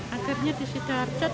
akhirnya disitu harcat